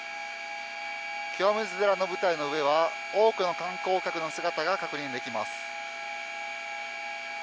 清水寺の舞台の上は多くの観光客の姿が確認できます。